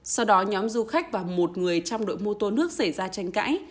sau đó nhóm du khách và một người trong đội mô tô nước xảy ra tranh cãi